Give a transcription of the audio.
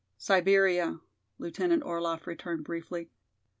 "Siberia," Lieutenant Orlaff returned briefly.